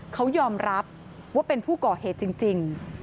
เขายอมรับว่าเป็นผู้ก่อเหตุจริง